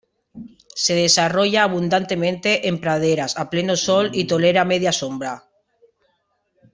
Se desarrolla abundantemente en praderas a pleno sol y tolera media sombra.